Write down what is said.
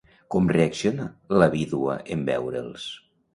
Com reacciona la vídua en veure'ls?